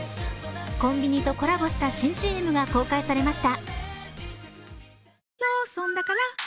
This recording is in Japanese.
コンビニとコラボした新ＣＭが公開されました。